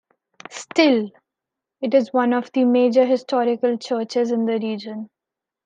Still, it is one of the major historical churches in the region.